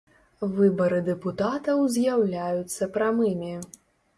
Выбары дэпутатаў з’яўляюцца прамымі.